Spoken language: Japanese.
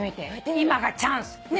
今がチャンス！